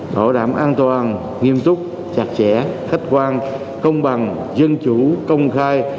bảo đảm an toàn nghiêm túc chặt chẽ khách quan công bằng dân chủ công khai